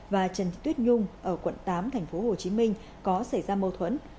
và trần tuyết nhung ở quận tám tp hcm có xảy ra mâu thuẫn